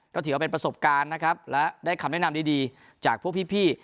ก็ถือว่าเป็นประสบการณ์นะครับและได้คำแนะนำดีจากพวกพี่